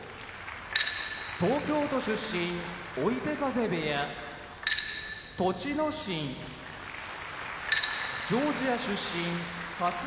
東京都出身追手風部屋栃ノ心ジョージア出身春日野部屋